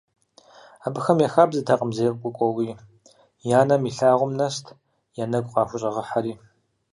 Абыхэм я хабзэтэкъым зекӀуэ кӀуэуи, я нэм илъагъум нэст я нэгу къахущӀэгъыхьэри.